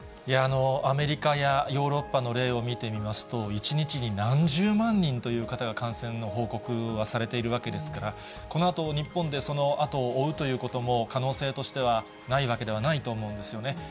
アメリカやヨーロッパの例を見てみますと、１日に何十万人という方が感染の報告はされているわけですから、このあと日本で、その後を追うということも可能性としてはないわけではないと思うんですよね。